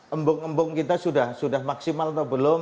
embung embung kita sudah maksimal atau belum